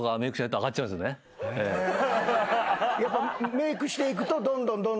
メークしていくとどんどんどんどん。